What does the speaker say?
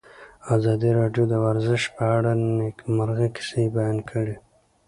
ازادي راډیو د ورزش په اړه د نېکمرغۍ کیسې بیان کړې.